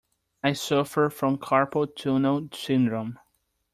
I suffer from carpal tunnel syndrome.